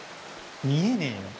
見えねえよ